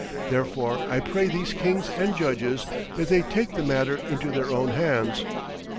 Therefore I pray these kings and judges that they take the matter into their own hands.'